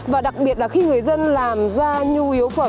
và đặc biệt là khi người dân làm ra nhu yếu phẩm